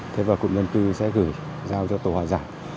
thế và cụm dân cư sẽ gửi giao cho tổ hòa giải